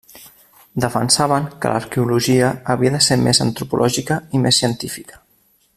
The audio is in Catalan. Defensaven que l'arqueologia havia de ser més antropològica i més científica.